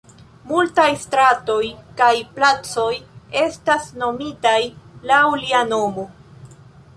Multaj stratoj kaj placoj estas nomitaj laŭ lia nomo.